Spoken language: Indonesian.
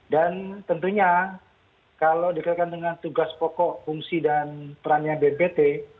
dan tentunya kalau dikirakan dengan tugas pokok fungsi dan perannya bpt